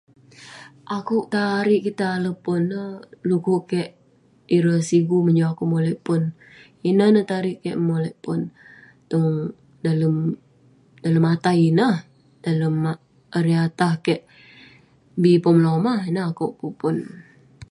Akeuk ta'rik kik tai alek pon neh de'kuk kik, ireh sigu menyurk akeuk molek pon. Ineh neh ta'rik kik molek pon tong dalem, dalem atah ineh, dalem erei..atah kik bi pom lomah, ineh akeuk pun pon.